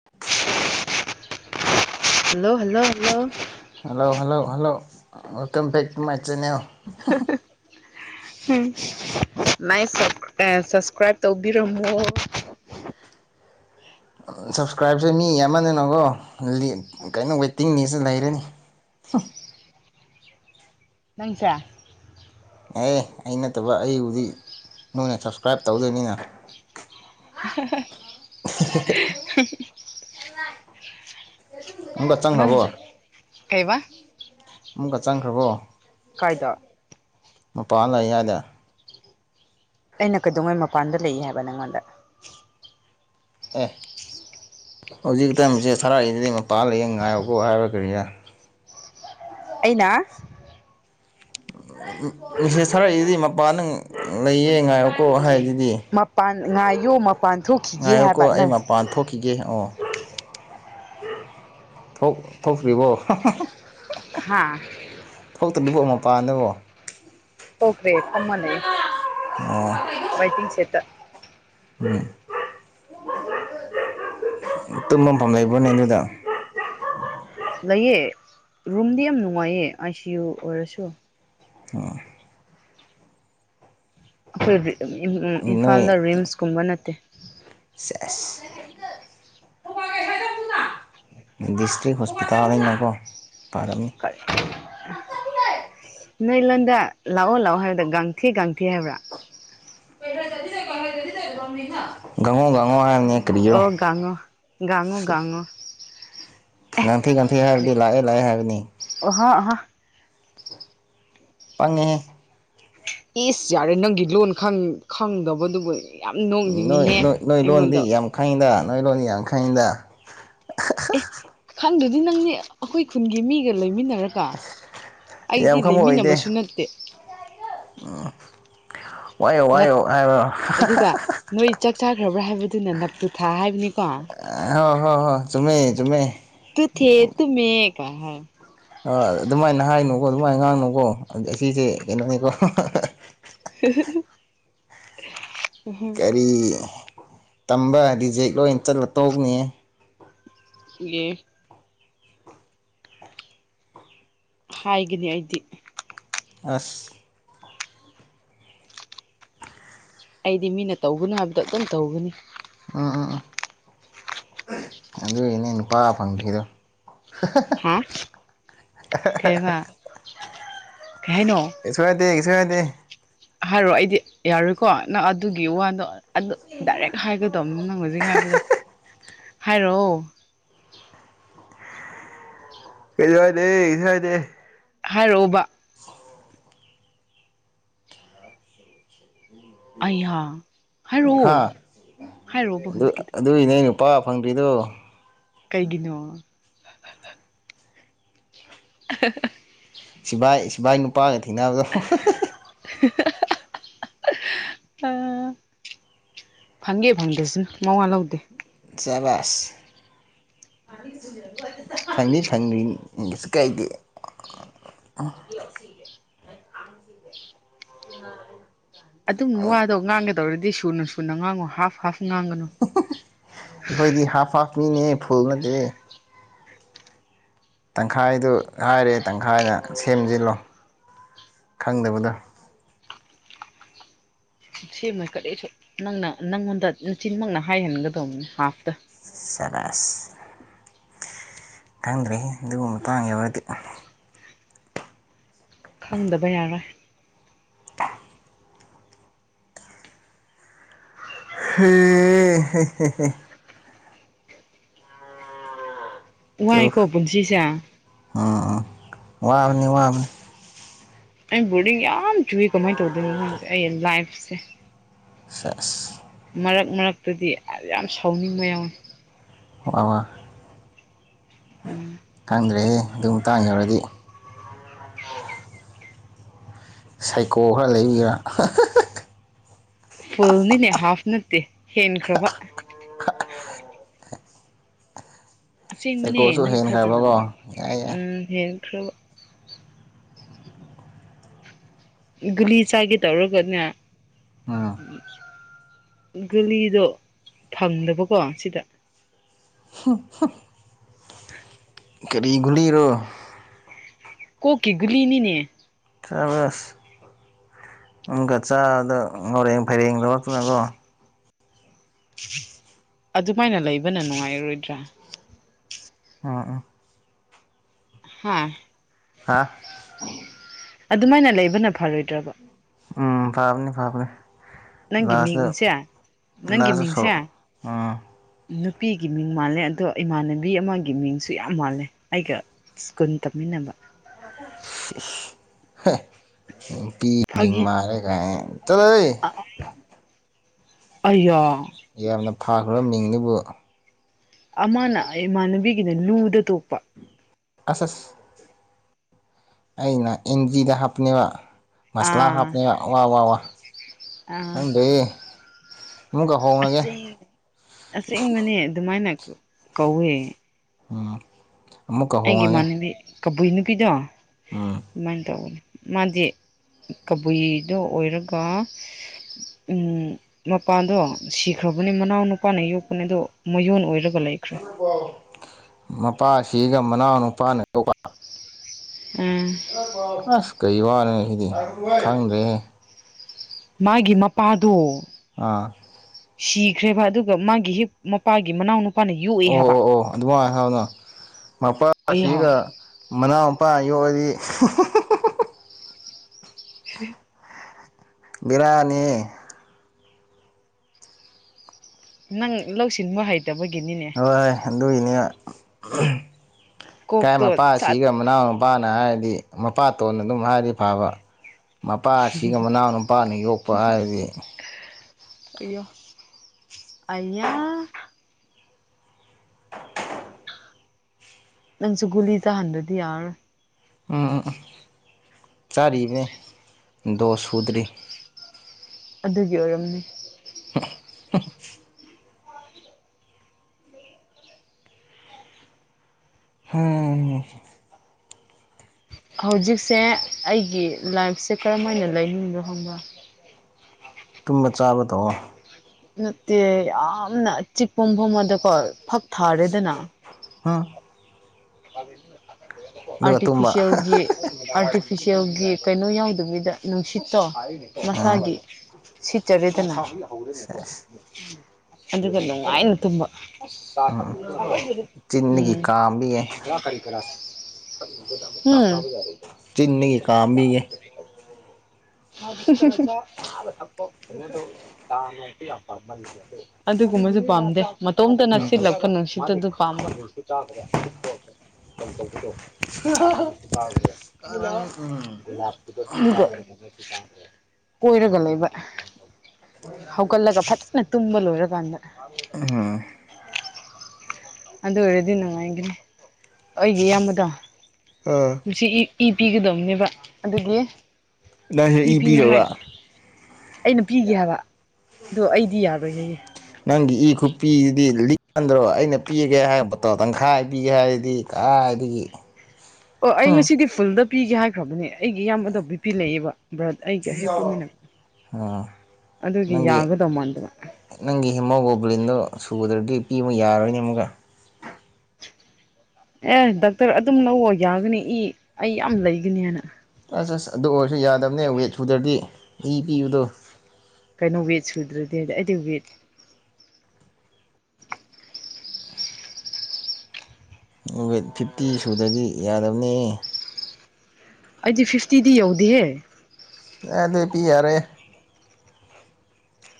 [inaudible] hello hello hello hello hello hello ꯑ welcome back to my channel [unintelligible] [unintelligible] ꯃꯥꯏ ꯁꯞ ꯑꯦ subscribe ꯇꯧꯕꯤꯔꯝꯃꯣ ꯑ ꯁꯞꯁꯀ꯭ꯔꯥꯏꯞꯁꯦ ꯃꯤ ꯌꯥꯝꯃꯟꯗꯅꯀꯣ ꯂꯤ ꯀꯩꯅꯣ ꯋꯦꯇꯤꯡ ꯂꯤꯁꯇ ꯂꯩꯔꯅꯤ ꯅꯪꯁꯦ ꯑꯦ ꯑꯩ ꯅꯠꯇꯕ ꯑꯩꯕꯨꯗꯤ ꯅꯣꯏꯅ ꯁꯞꯁꯀ꯭ꯔꯥꯏꯞ ꯇꯧꯗꯣꯏꯅꯤꯅ [unintelligible] ꯑꯃꯨꯛꯀ ꯆꯪꯈ꯭ꯔꯕꯣ ꯅꯪꯖꯤ ꯀꯩꯕ ꯑꯃꯨꯛꯀ ꯆꯪꯈ꯭ꯔꯕꯣ ꯀꯥꯏꯗ ꯃꯄꯥꯟ ꯂꯩ ꯌꯥꯗꯦ ꯑꯩꯅ ꯀꯩꯗꯧꯉꯩ ꯃꯄꯥꯟꯗ ꯂꯩ ꯍꯥꯏꯕ ꯅꯪꯉꯣꯟꯗ ꯑꯦ ꯍꯧꯖꯤꯛꯇ ꯃꯦꯁꯦꯁ ꯊꯥꯔꯛꯏꯗꯨꯗꯤ ꯃꯄꯥꯟ ꯂꯩꯌꯦ ꯉꯥꯏꯌꯣꯀꯣ ꯍꯥꯏꯒ ꯀꯔꯤꯔ ꯑꯩꯅ ꯃꯤꯁꯦꯁ ꯊꯥꯔꯛꯏꯗꯨꯗꯤ ꯃꯄꯥꯟꯗ ꯂꯩꯌꯦ ꯉꯥꯏꯑꯣꯀꯣ ꯍꯥꯏꯗꯨꯗꯤ ꯃꯄꯥꯟ ꯉꯥꯌꯣ ꯃꯞ ꯄꯥꯟꯊꯣꯛꯈꯤ ꯉꯥꯏꯌꯣꯀꯣ ꯑꯩ ꯃꯄꯥꯟ ꯊꯣꯛꯈꯤꯒꯦ ꯑꯣ ꯊꯣꯛ ꯊꯣꯛꯇ꯭ꯔꯤꯕꯣ [unintelligible] ꯍꯥꯥ ꯊꯣꯛꯇꯔꯤꯕꯣ ꯃꯄꯥꯥꯟꯗꯨꯕꯣ ꯊꯣꯛꯈ꯭ꯔꯦ ꯐꯝꯃ ꯂꯩ [unintelligible] ꯑꯣ ꯃꯩꯇꯤꯡ ꯁꯦꯠꯇ ꯎꯝ ꯇꯨꯝꯃꯝꯐꯝ ꯂꯩꯕ꯭ꯔꯣꯅꯦ ꯅꯣꯏꯗꯥ ꯂꯩꯌꯦ ꯔꯨꯝꯗꯤ ꯌꯥꯝ ꯅꯨꯡꯉꯥꯏꯌꯦ ꯑꯥꯏ ꯁꯤ ꯌꯨ ꯑꯣꯏꯔꯁꯨ ꯑꯥ ꯑꯩꯈꯣꯏꯗꯤ ꯏꯝ ꯅꯣꯏ ꯏꯝꯐꯥꯜꯗ ꯔꯤꯝꯁꯀꯨꯝꯕ ꯅꯠꯇꯦ ꯁꯦꯁ [unintelligible] ꯗꯤꯁꯇ꯭ꯔꯤꯛ ꯍꯣꯁꯄꯤꯇꯥꯜꯅꯤꯅꯀꯣ ꯇꯥꯔꯝꯅꯤ [unintelligible] ꯅꯣꯏ ꯂꯣꯟꯗ ꯂꯥꯛꯑꯣ ꯂꯥꯛꯑꯣ ꯍꯥꯏꯗꯣ ꯒꯪꯊꯦ ꯒꯪꯊꯦ ꯍꯥꯏꯕ꯭ꯔꯥ [unintelligible] ꯀꯥꯔꯤꯔꯥ ꯀꯥꯡꯉꯣ ꯒꯡꯉꯣ ꯒꯡꯉꯣ ꯉꯟꯊꯩ ꯉꯥꯡꯊꯦ ꯍꯥꯏꯕꯗꯤ ꯂꯥꯛꯑꯦ ꯂꯥꯛꯑꯦ ꯍꯥꯏꯕꯅꯤ ꯑꯣꯍꯥꯍ ꯄꯪꯉꯦꯍꯦ ꯏꯁ ꯌꯥꯔꯦ ꯅꯪꯒꯤ ꯂꯣꯟ ꯈꯪ ꯈꯪꯗꯕꯗꯨꯕꯨ ꯌꯥꯝ ꯅꯣꯏ ꯅꯣꯛꯅꯤꯡꯉꯤꯍꯦ ꯅꯣꯏ ꯅꯣꯏ ꯂꯣꯟꯗꯤ ꯑꯩꯉꯣꯟꯗ ꯌꯥꯝ ꯈꯪꯏꯗ ꯅꯣꯏ ꯂꯣꯟꯗꯤ ꯌꯥꯝꯈꯪꯏꯗ ꯑꯦ ꯈꯪꯗꯔꯗꯤ ꯅꯪꯗꯤ ꯑꯩꯈꯣꯏ ꯈꯨꯟꯒꯤ ꯃꯤꯒ ꯂꯩꯃꯤꯟꯅꯔ ꯒ ꯌꯥꯝ ꯑꯩꯗꯤ ꯂꯩꯃꯤꯟꯅꯕꯁꯨ ꯅꯠꯇꯦ ꯑꯥ ꯋꯥꯏꯌꯨ ꯅꯞ ꯋꯥꯏꯌꯨ ꯍꯥꯏꯕ ꯑꯗꯨꯒ ꯅꯣꯏ ꯆꯥꯛ ꯆꯥꯈ꯭ꯔꯕ꯭ꯔꯥ ꯍꯥꯏꯕꯗꯨꯅ ꯅꯥꯞꯇꯨꯊꯥ ꯍꯥꯏꯕꯅꯤꯀꯣ ꯑꯥꯍꯣꯏ ꯍꯣꯏ ꯍꯣꯏ ꯆꯨꯝꯃꯦ ꯆꯨꯝꯃꯦ ꯇꯨꯊꯦ ꯇꯨꯃꯦ ꯀꯏꯍꯥꯏ ꯑꯗꯨꯃꯥꯏꯅ ꯍꯥꯏꯅꯨꯀꯣ ꯑꯗꯨꯃꯥꯏꯅ ꯉꯥꯡꯅꯨꯀꯣ ꯑꯁꯤꯁꯦ ꯀꯩꯅꯣꯅꯤꯀꯣ [unintelligible] ꯀꯔꯤ ꯇꯝꯕ ꯔꯤꯖꯦꯛ ꯂꯣꯏꯅ ꯆꯠꯂ ꯇꯣꯛꯅꯤ ꯌꯦ ꯍꯥꯏꯒꯅꯤ ꯑꯩꯗꯤ ꯑꯁ ꯑꯩꯗꯤ ꯃꯤꯅ ꯇꯧꯒꯅꯨ ꯍꯥꯏꯕꯗꯣ ꯑꯗꯨꯝ ꯇꯧꯕꯅꯤ ꯎꯝ ꯎꯝ ꯎꯝ ꯑꯗꯨꯏꯅꯦ ꯅꯨꯄꯥ ꯐꯪꯗ꯭ꯔꯤꯗꯣ ꯍꯥ ꯀꯩꯍꯥꯕ ꯀꯩꯍꯥꯏꯅꯣ ꯀꯩꯁꯨ ꯍꯥꯏꯗꯦ ꯀꯩꯁꯨ ꯍꯥꯏꯗꯦ ꯍꯥꯏꯔꯣ ꯑꯩꯗꯤ ꯌꯥꯔꯣꯏꯀꯣ ꯅꯪ ꯑꯗꯨꯒꯤ ꯋꯥꯗꯣ ꯑꯗꯨ ꯗꯥꯏꯔꯦꯛ ꯍꯥꯏꯒꯗꯧꯅꯤ ꯅꯪ ꯍꯧꯖꯤꯛ ꯍꯥꯏꯕꯗ ꯍꯥꯏꯔꯛꯑꯣ ꯀꯩ ꯍꯥꯏꯗꯦ [unintelligible] ꯍꯥꯏꯗꯦ ꯍꯥꯏꯔꯛꯑꯣꯕ [unintelligible] ꯑꯩꯍꯥ ꯍꯥꯥ ꯍꯥꯏꯔꯛꯑꯣ ꯍꯥꯏꯔꯛꯑꯣꯕ ꯑꯗꯨ ꯍꯧꯖꯤꯛꯀꯤꯗꯣ ꯑꯗꯨꯏꯅꯦ ꯑꯩ ꯅꯨꯄꯥ ꯐꯪꯗ꯭ꯔꯤꯗꯣ ꯀꯩꯒꯤꯅꯣ [unintelligible] ꯁꯤꯚꯏ ꯁꯤꯚꯏ ꯅꯨꯄꯥꯒ ꯊꯦꯡꯅꯗꯣ ꯑ ꯐꯪꯒꯦ ꯐꯪꯗꯁꯥꯅꯨ ꯃꯋꯥ ꯂꯧꯗꯦ ꯁꯥꯕꯁ [unintelligible] ꯐꯪꯗꯤ ꯐꯪꯅꯤꯡ ꯀꯩꯁꯨ ꯀꯥꯏꯗꯦ ꯑꯥ [unintelligible] [unintelligible] ꯑꯗꯨꯝꯕ ꯋꯥꯗꯣ ꯉꯥꯡꯒꯗꯧꯔꯗꯤ ꯁꯨꯅ ꯁꯨꯅ ꯉꯥꯡꯉꯨ ꯍꯥꯐ ꯍꯥꯐ ꯉꯥꯡꯒꯅꯨ ꯑꯩꯈꯣꯏꯗꯤ ꯍꯥꯞ ꯍꯥꯞ ꯃꯤꯅꯦ ꯐꯨꯜ ꯅꯠꯇꯦ ꯇꯪꯈꯥꯏꯗꯨ ꯍꯥꯏꯔꯦ ꯇꯪꯈꯥꯏꯅ ꯁꯦꯝꯖꯤꯜꯂꯣ ꯈꯪꯗꯕꯗꯨ ꯁꯤ ꯃꯛ ꯀꯔꯤꯁꯨ ꯅꯪꯅ ꯅꯪꯉꯣꯟꯗ ꯅꯆꯤꯟꯃꯛꯅ ꯍꯥꯏꯍꯟꯒꯗꯧꯕꯅꯤ ꯍꯥꯞꯇ ꯁꯥꯕꯥꯁ ꯈꯪꯗ꯭ꯔꯦꯍꯦ ꯑꯗꯨꯒꯨꯝ ꯄꯥꯡꯉꯦ ꯑꯣꯏꯔꯗꯤ ꯈꯪꯗꯕ ꯌꯥꯔꯣꯏ [inaudible] [unintelligible] ꯋꯥꯥꯏ ꯈꯣ ꯄꯨꯟꯁꯤꯁꯦ ꯑꯥ ꯑꯥ ꯋꯥꯕꯅꯤ ꯋꯥꯕꯅꯤ ꯑꯩ ꯕꯣꯔꯗꯤꯡ ꯌꯥꯝ ꯆꯨꯏ ꯀꯃꯥꯏꯅ ꯇꯧꯗꯣꯏꯅꯣ ꯈꯪꯗꯦ ꯑꯩ ꯂꯥꯏꯐꯁꯦ ꯁꯦꯁ ꯃꯔꯛ ꯃꯔꯛꯇꯨꯗꯤ ꯌꯥꯝ ꯁꯥꯎꯅꯤꯡꯕ ꯌꯥꯎꯏꯤ ꯑꯋꯥ ꯎꯝ ꯈꯪꯗ꯭ꯔꯦꯍꯦ ꯑꯗꯨ ꯃꯇꯥꯡ ꯌꯧꯔꯗꯤ ꯁꯥꯏꯀꯣ ꯈꯔ ꯂꯩꯌꯥ ꯐꯨꯜꯅꯤꯅꯦ ꯍꯥꯐ ꯅꯠꯇꯦ ꯍꯦꯟꯈ꯭ꯔꯕ ꯑꯁꯦꯡꯕꯅꯦ ꯁꯥꯏꯀꯣꯁꯨ ꯅꯪ ꯊꯥꯖꯗꯝ ꯍꯦꯟꯈ꯭ꯔꯕꯀꯣ ꯌꯥꯏ ꯌꯥꯏ ꯎꯝ ꯍꯦꯟꯈ꯭ꯔꯕ ꯒꯨꯂꯤ ꯆꯥꯒꯦ ꯇꯧꯔꯒꯅꯦ ꯎꯝ ꯒꯂꯤꯗꯣ ꯐꯪꯗꯕꯀꯣ ꯁꯤꯗ [unintelligible] [inaudible] ꯀꯔꯤꯒꯨꯜꯂꯤꯔꯣ ꯀꯣꯀꯤꯒꯨꯜꯂꯤꯅꯤꯅꯦ ꯇꯕꯁ ꯎꯝꯒꯠꯆꯥꯗꯣ ꯉꯔꯦꯡ ꯐꯩꯔꯦꯡ ꯂꯧꯔꯛꯇꯅꯀꯣ ꯑꯗꯨꯃꯥꯏꯅ ꯂꯩꯕꯅ ꯅꯨꯡꯉꯥꯏꯔꯔꯣꯏꯗ꯭ꯔꯥ ꯑꯥ ꯑꯥ ꯍꯥ ꯍꯥ ꯑꯗꯨꯃꯥꯏꯅ ꯂꯩꯕꯅ ꯐꯔꯣꯏꯗ꯭ꯔꯕ ꯑꯥ ꯐꯥꯕꯅꯤ ꯐꯥꯕꯅꯤ ꯅꯪꯒꯤ ꯃꯤꯡꯁꯦ ꯅꯪꯒꯤ ꯂꯥꯁꯇ ꯃꯤꯡꯁꯦ ꯁꯣꯔꯣꯛ ꯎꯝ ꯅꯨꯄꯤꯒꯤ ꯃꯤꯡ ꯃꯥꯜꯂꯦ ꯑꯗꯣ ꯏꯃꯥꯟꯅꯕꯤ ꯑꯃꯒꯤ ꯃꯤꯡꯁꯨ ꯌꯥꯝ ꯃꯥꯜꯂꯦ ꯑꯩꯒ ꯁ꯭ꯀꯨꯜ ꯇꯝꯃꯤꯟꯅꯕ ꯁꯤꯁ ꯍꯥ ꯅꯨꯄꯤꯒꯤ ꯃꯤꯡ ꯃꯥꯜꯂꯦꯒꯏ [unintelligible] ꯑꯩꯌ ꯌꯥꯝꯅ ꯐꯈ꯭ꯔꯕ ꯃꯤꯡꯗꯨꯕꯨ ꯑꯃꯅ ꯏꯃꯥꯟꯅꯕꯤꯒꯤꯅ ꯂꯨꯗ ꯇꯣꯛꯄ ꯑꯁ ꯑꯁ ꯑꯩꯅ ꯑꯦꯟꯖꯤꯗ ꯍꯥꯞꯅꯤꯕ ꯃꯁꯂꯥ ꯑꯥ ꯍꯥꯞꯅꯦ ꯋꯥ ꯋꯥ ꯋꯥ ꯑꯥ ꯈꯪꯗꯦ ꯑꯁꯦꯡ ꯑꯁꯦꯡꯕꯅꯦ ꯑꯗꯨꯃꯥꯏꯅ ꯀꯧꯋꯦ ꯎꯝ ꯑꯃꯨꯛꯀ ꯑꯩꯒꯤ ꯍꯣꯡꯉꯒꯦ ꯏꯃꯥꯟꯅꯕꯤ ꯀꯕꯨꯏ ꯅꯨꯄꯤꯗꯣ ꯎꯝ ꯑꯗꯨꯃꯥꯏꯅ ꯇꯧꯕꯅꯤ ꯃꯥꯗꯤ ꯀꯕꯨꯏꯗꯣ ꯑꯣꯏꯔꯒ ꯎꯝ ꯃꯄꯥꯟꯗꯣ ꯁꯤꯈ꯭ꯔꯕꯅꯤ ꯃꯅꯥꯎ ꯅꯨꯄꯥꯅ ꯌꯣꯛꯄꯅꯦ ꯑꯗꯣ ꯃꯌꯣꯟ ꯑꯣꯏꯔꯒ ꯂꯩꯈ꯭ꯔꯦ ꯃꯄꯥ ꯁꯤꯒ ꯃꯅꯥꯎꯅꯨꯄꯥꯅ ꯌꯣꯛꯄ ꯎꯝ ꯑꯁ ꯀꯩ ꯋꯥꯅꯣ ꯁꯤꯗꯤ ꯈꯪꯗ꯭ꯔꯦꯍꯦ ꯃꯥꯒꯤ ꯃꯄꯥꯗꯣ ꯑꯥ ꯁꯤꯈ꯭ꯔꯦꯕꯥ ꯑꯗꯨꯒ ꯃꯥꯒꯤ ꯍꯤꯞ ꯃꯄꯥꯒꯤ ꯃꯅꯥꯎꯅꯨ ꯑꯣ ꯑꯣ ꯑꯣ ꯑꯗꯨꯃꯥꯏꯅ ꯍꯥꯏꯌꯨꯅ ꯑꯩꯍꯥ ꯃꯄꯥꯁꯤꯒꯥ ꯃꯅꯥꯎꯄꯥꯅ ꯌꯣꯛꯑꯗꯤ [unintelligible] ꯕꯦꯔꯥꯅꯤꯍꯦ ꯅꯪ ꯂꯧꯁꯤꯟꯕ ꯍꯩꯇꯕꯒꯤꯅꯤꯅꯦ ꯍꯣꯏ ꯍꯣꯏ ꯑꯗꯨꯒꯤꯅꯦ ꯀꯥꯏ ꯀꯣꯛꯇꯣ ꯃꯄꯥ ꯁꯠ ꯁꯤꯒ ꯃꯅꯥꯎ ꯅꯨꯄꯥꯅ ꯍꯥꯏꯔꯗꯤ ꯃꯄꯥꯇꯣꯟꯅ ꯑꯗꯨꯝ ꯍꯥꯏꯔꯗꯤ ꯐꯥꯕ ꯃꯄꯥꯁꯤꯒꯥ ꯃꯅꯥꯎ ꯅꯨꯄꯥꯅ ꯌꯣꯛꯄ ꯍꯥꯏꯔꯗꯤ ꯑꯩꯌꯣ ꯑꯩꯌꯥ ꯅꯪꯁꯨ ꯒꯨꯂꯤ ꯆꯥꯍꯟꯗ꯭ꯔꯥꯗꯤ ꯌꯥꯔꯥꯔꯣꯏ ꯎꯝ ꯎꯝ ꯎꯝ ꯆꯥꯔꯤꯅꯦ ꯗꯣꯁ ꯁꯨꯗ꯭ꯔꯤ ꯑꯗꯨꯒꯤ ꯑꯣꯏꯔꯝꯅꯤ [unintelligible] ꯍꯨꯝ ꯍꯧꯖꯤꯛꯁꯦ ꯑꯩꯒꯤ ꯂꯥꯏꯐꯁꯦ ꯀꯔꯝꯍꯥꯏꯅ ꯂꯩꯅꯤꯡꯕꯅꯣ ꯈꯪꯕ꯭ꯔꯥ ꯇꯨꯝꯕ ꯆꯥꯕ ꯇꯧꯑꯣ ꯅꯠꯇꯦ ꯌꯥꯝꯅ ꯆꯤꯛꯄ ꯃꯐꯝ ꯃꯗꯀꯣ ꯐꯛ ꯊꯥꯔꯦꯗꯅ ꯍꯨꯝ ꯑꯗꯨꯒ ꯇꯨꯝꯕ ꯑꯥꯔꯇꯤꯐꯤꯁꯦꯜꯒꯤ ꯑꯥꯔꯇꯤꯐꯤꯁꯦꯜꯒꯤ ꯀꯩꯅꯣ ꯌꯥꯎꯗꯕꯤꯗ ꯅꯨꯡꯁꯤꯠꯇꯣ ꯎꯝ ꯃꯁꯥꯒꯤ ꯁꯤꯠꯆꯔꯦꯗꯅ ꯁꯦꯁ ꯑꯗꯨꯒ ꯅꯨꯡꯉꯥꯏꯅ ꯇꯨꯝꯕ ꯎꯝ ꯄꯥꯝꯕꯤꯒꯦ ꯍꯨꯝ ꯆꯤꯟꯗꯒꯤ ꯀꯥꯝꯕꯤꯒꯦ [unintelligible] ꯑꯗꯨꯒꯨꯝꯕꯖꯨ ꯄꯥꯝꯗꯦ ꯃꯇꯣꯝꯇꯅ ꯎꯝ ꯁꯤꯜꯂꯛꯄ ꯅꯨꯡꯁꯤꯠꯇꯣ ꯑꯗꯨ ꯄꯥꯝꯃꯤ ꯀꯔꯟ ꯎꯝ [unintelligible] [inaudible] ꯀꯣꯏꯔꯒ ꯂꯩꯕ ꯍꯧꯒꯠꯂꯒ ꯐꯠ ꯀꯟꯅ ꯇꯨꯝꯕ ꯂꯣꯏꯔꯀꯥꯟꯗ [unintelligible] ꯑꯗꯨ ꯑꯣꯏꯔꯗꯤ ꯅꯨꯡꯉꯥꯏꯒꯅꯤ ꯑꯩꯒꯤ ꯏꯌꯥꯝꯕꯥꯗ ꯑꯥ ꯉꯥꯁꯤ ꯏ ꯏꯄꯤꯒꯗꯧꯅꯦꯕꯥ ꯑꯗꯨꯒꯤ ꯅꯪꯁꯦ ꯏ ꯄꯤꯗꯧꯕꯥ ꯑꯩꯅ ꯄꯤꯒꯦ ꯍꯥꯏꯕ ꯑꯗꯣ ꯑꯩꯗꯤ ꯌꯥꯔꯣꯏꯍꯦ ꯅꯪꯒꯤ ꯏ ꯈꯨꯄꯤꯗꯨꯗꯤ ꯂꯤꯛꯃꯟꯗ꯭ꯔꯣ ꯑꯩꯅ ꯄꯤꯒꯦ ꯍꯥꯏꯔꯛꯄꯗꯣ ꯇꯪꯈꯥꯏ ꯄꯤꯒꯦ ꯍꯥꯏꯔꯗꯤ ꯀꯥꯏꯗꯥꯒꯤ ꯑꯣ ꯑꯩ ꯉꯁꯤꯗꯤ ꯐꯨꯜꯗꯥ ꯄꯤꯒꯦ ꯍꯥꯏꯈ꯭ꯔꯥꯕꯅꯦ ꯑꯩꯒꯤ ꯏꯌꯥꯝꯕꯗꯣ ꯕꯤ ꯄꯤ ꯂꯩꯌꯦꯕꯥ ꯕ꯭ꯔꯠ ꯑꯩꯒꯤ ꯍꯦꯛ ꯄꯣꯛꯃꯤꯟꯅ ꯑꯥ ꯑꯗꯨꯒꯤ ꯅꯪꯒꯤ ꯌꯥꯒꯗꯧ ꯃꯥꯟꯗꯥꯕ ꯅꯪꯒꯤ ꯍꯦꯃꯣꯒ꯭ꯂꯣꯕꯂꯤꯟꯗꯣ ꯁꯨꯗ꯭ꯔꯗꯤ ꯄꯤꯕ ꯌꯥꯔꯣꯏꯅꯦ ꯑꯃꯨꯛꯀꯥ ꯑꯦ ꯗꯥꯛꯇꯔ ꯑꯗꯨꯝ ꯂꯧꯑꯣ ꯌꯥꯒꯅꯤ ꯏ ꯑꯩ ꯌꯥꯝ ꯂꯩꯒꯥꯅꯤ ꯍꯥꯏꯅꯥ ꯑꯁ ꯑꯁ ꯑꯗꯨ ꯑꯣꯏꯔꯁꯨ ꯌꯥꯗꯥꯕꯅꯦ ꯋꯦꯠ ꯁꯨꯗ꯭ꯔꯥꯗꯤ ꯏ ꯄꯤꯕꯥꯗꯣ ꯀꯩꯅꯣ ꯋꯦꯠ ꯁꯨꯗ꯭ꯔꯥꯗꯤ ꯍꯥꯏꯗꯤ ꯑꯩꯗꯤ ꯋꯦꯠ ꯋꯦꯠ ꯐꯤꯞꯇꯤ ꯁꯨꯗꯔꯥꯗꯤ ꯌꯥꯗꯕꯥꯅꯦ ꯑꯩꯗꯤ ꯐꯤꯐꯇꯤꯗꯤ ꯌꯧꯗꯦꯍꯦ ꯑꯦ ꯑꯗꯣꯏꯗꯤ ꯌꯥꯔꯦ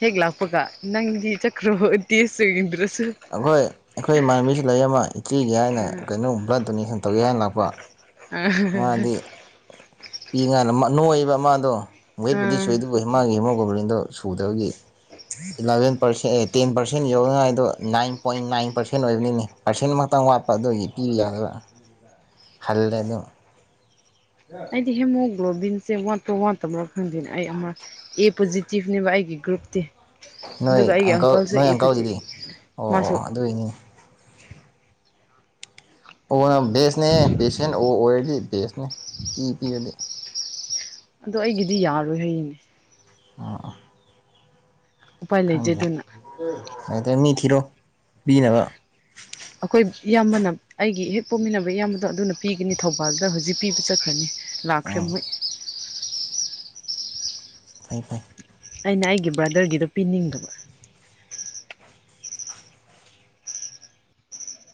ꯍꯦꯛ ꯂꯥꯛꯄꯒ ꯅꯪꯗꯤ ꯆꯀ꯭ꯔꯣ ꯇꯦꯁ ꯌꯦꯡꯗ꯭ꯔꯁꯨ ꯑꯈꯣꯏ ꯑꯈꯣꯏ ꯏꯃꯥꯟꯅꯕꯤꯁꯤ ꯂꯩꯔꯃ ꯏꯇꯦꯒꯤ ꯍꯥꯏꯅ ꯀꯩꯅꯣꯝ ꯕ꯭ꯂꯠ ꯗꯣꯅꯦꯁꯟ ꯇꯧꯒꯦ ꯍꯥꯏꯅ ꯂꯥꯛꯄ ꯑ ꯃꯥꯗꯤ ꯄꯤ ꯉꯥꯅ ꯅꯣꯏꯕ ꯃꯥꯗꯣ ꯋꯦꯠꯄꯨꯗꯤ ꯑꯥ ꯁꯣꯏꯗ ꯃꯥꯒꯤꯍꯦꯃꯣꯒ꯭ꯂꯣ ꯕꯔꯤꯟꯗꯣ ꯁꯨꯗꯕꯒꯤ ꯏꯂꯚꯦꯟ ꯄꯔꯁꯦꯟ ꯑꯦ ꯇꯦꯟ ꯄꯥꯔꯁꯦꯟ ꯌꯧꯅꯤꯉꯥꯏꯗꯣ ꯅꯥꯏꯟ ꯄꯣꯏꯟ ꯅꯥꯏꯟ ꯄꯥꯔꯁꯦꯟ ꯑꯣꯏꯕꯅꯤꯅꯦ ꯄꯥꯔꯁꯦꯟꯃꯥꯛꯇꯪ ꯋꯥꯠꯄ ꯑꯗꯨꯒꯤ ꯄꯤꯕ ꯌꯥꯗ꯭ꯔꯥ ꯍꯜꯂꯦ ꯑꯗꯨ ꯑꯩꯗꯤ ꯍꯦꯃꯣ ꯒ꯭ꯂꯣꯕꯤꯟꯁꯦ ꯋꯥꯠꯄ ꯋꯥꯠꯇꯕ ꯃꯔ ꯈꯪꯗꯣꯏꯅꯦ ꯑꯩ ꯑꯃ ꯑꯦ ꯄꯣꯖꯤꯇꯤꯚꯅꯦꯕ ꯑꯩꯒꯤ ꯒ꯭ꯔꯨꯞꯇꯤ ꯑꯗꯨꯒ ꯅꯣꯏ ꯑꯩꯒꯤ ꯑꯪꯀꯜ ꯑꯪꯀꯜꯁꯨ ꯏꯄꯁꯤ ꯃꯥꯁꯨ ꯑꯗꯨ ꯑꯣꯏꯅꯦ ꯑꯣꯅ ꯕꯦꯁꯅꯦ ꯄꯦꯁꯦꯟ ꯑꯣ ꯑꯣꯏꯔꯗꯤ ꯕꯦꯁꯅꯦ ꯏ ꯄꯤꯕꯗꯤ ꯑꯗꯣ ꯑꯩꯒꯤꯗꯤ ꯌꯥꯔꯣꯏ ꯍꯌꯦ ꯑ ꯎꯄꯥꯏ ꯂꯩꯇꯦ ꯈꯪꯗ꯭ꯔꯦ ꯑꯗꯨꯅ ꯑꯗ ꯃꯤ ꯊꯤꯔꯣ ꯄꯤꯅꯕ ꯑꯩꯈꯣꯏ ꯏꯌꯥꯝꯕꯅ ꯑꯩꯒꯤ ꯍꯦꯛ ꯄꯣꯛꯃꯤꯟꯅꯕ ꯏꯌꯥꯝꯕꯗꯣ ꯑꯗꯨꯅ ꯄꯤꯒꯅꯤ ꯊꯧꯕꯥꯜꯗ ꯍꯧꯖꯤꯛ ꯄꯤꯕ ꯆꯠꯈ꯭ꯔꯅꯤ ꯂꯈ꯭ꯔꯦꯝ ꯎꯝ ꯃꯣꯏ ꯐꯥꯏ ꯐꯥꯏ ꯑꯩꯅ ꯑꯩꯒꯤ ꯕ꯭ꯔꯗꯔꯒꯤꯗꯣ ꯄꯤꯅꯤꯡꯗꯕ